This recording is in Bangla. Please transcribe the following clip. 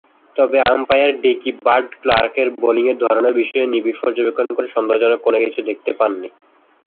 তবে, আম্পায়ার ডিকি বার্ড ক্লার্কের বোলিংয়ের ধরনের বিষয়ে নিবিড় পর্যবেক্ষণ করে সন্দেহজনক কোন কিছু দেখতে পাননি।